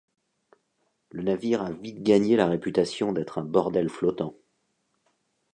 Le navire a vite gagné la réputation d'être un bordel flottant.